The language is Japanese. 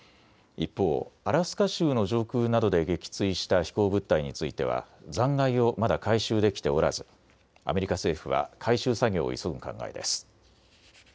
一方、アラスカ州の上空などで撃墜した飛行物体については残骸をまだ回収できておらずアメリカ政府は回収作業を急ぐ考えです。